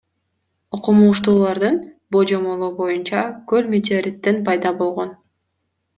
Окумуштуулардын божомолу боюнча көл метеориттен пайда болгон.